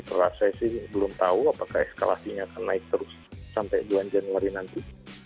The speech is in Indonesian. kalau saya sih belum tahu apakah eskalasinya akan naik terus sampai bulan januari nanti